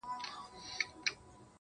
ه مړ او ځوانيمرگ دي سي